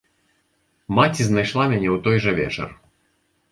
Маці знайшла мяне ў той жа вечар.